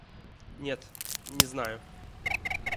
Нет, не знаю.